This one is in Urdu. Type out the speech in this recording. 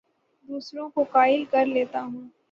دوسروں کو قائل کر لیتا ہوں